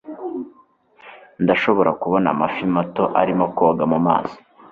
ndashobora kubona amafi mato arimo koga mu mazi